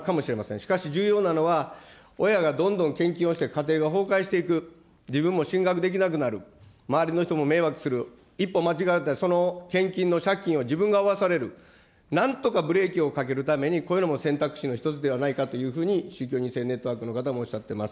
しかし、重要なのは親がどんどん献金をして家庭が崩壊していく、自分も進学できなくなる、周りの人も迷惑する、一歩間違えると、その献金の借金を自分が負わされる、なんとかブレーキをかけるために、こういうのも選択肢の一つではないかというふうに、宗教２世ネットワークの方もおっしゃってます。